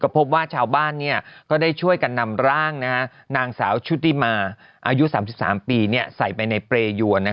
พบว่าชาวบ้านก็ได้ช่วยกันนำร่างนางสาวชุติมาอายุ๓๓ปีใส่ไปในเปรยวน